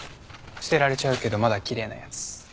捨てられちゃうけどまだ奇麗なやつ。